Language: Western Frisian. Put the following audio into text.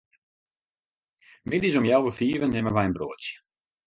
Middeis om healwei fiven nimme wy in broadsje.